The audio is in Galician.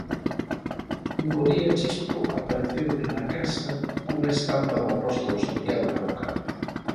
Un bo día Chispo apareceume na casa cunha estampa do Apóstolo Santiago na boca.